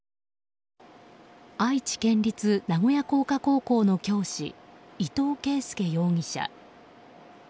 愛知県立名古屋工科高校の教師伊藤啓介容疑者。